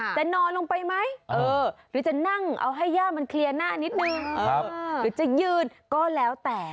จะนอนลงไปไหมหรือจะนั่งเอาให้ย่ามันเคลียร์หน้านิดนึงหรือจะยืนก็แล้วแต่